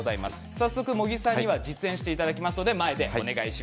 早速、茂木さんには実演していただきます。